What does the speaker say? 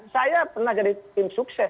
saya pernah jadi tim sukses